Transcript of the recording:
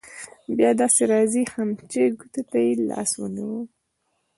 بیا داسې راځې خمچۍ ګوتې ته يې لاس ونیو.